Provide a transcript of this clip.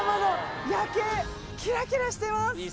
キラキラしてます！